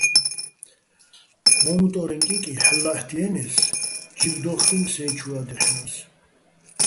ო მუტო́რეჼ კიკი ჰ̦ალო̆ ლა́ჰ̦დიენე́ს, ჯიბ დო́ხკინო̆ სეჲჩუა́ დაჲჰ̦ნა́ს.